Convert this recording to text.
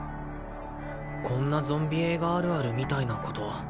こんなゾンビ映画あるあるみたいなこと